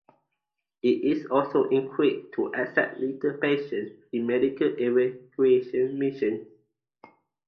It is also equipped to accept litter patients in medical evacuation missions.